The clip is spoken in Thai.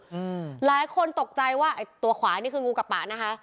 อืมหลายคนตกใจว่าไอ้ตัวขวานี่คืองูกระปะนะคะ